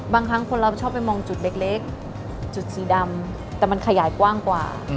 บางครั้งคนเราชอบไปมองจุดเล็กจุดสีดำแต่มันขยายกว้างกว่า